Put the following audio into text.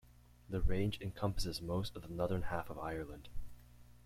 The range encompasses most of the northern half of Ireland.